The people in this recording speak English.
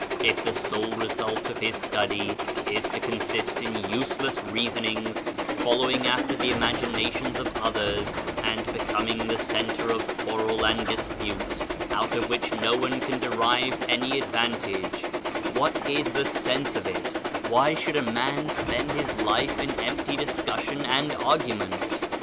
If the sole result of his study is to consist in useless reasonings, following after the imagina tions of others, and becoming a centre of quarrel and dispute, out of which no one can derive any advantage — what is the sense of it, why should a man spend his life in empty discussion and argu ment?